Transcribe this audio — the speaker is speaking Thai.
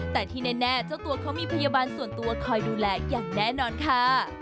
แต่ที่แน่เจ้าตัวเขามีพยาบาลส่วนตัวคอยดูแลอย่างแน่นอนค่ะ